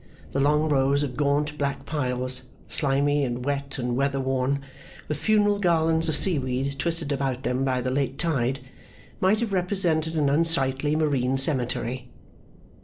The long rows of gaunt black piles, slimy and wet and weather worn, with funeral garlands of seaweed twisted about them by the late tide, might have represented an unsightly marine cemetery.